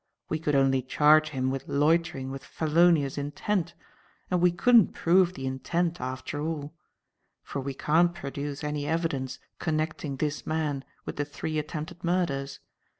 We could only charge him with loitering with felonious intent, and we couldn't prove the intent after all; for we can't produce any evidence connecting this man with the three attempted murders.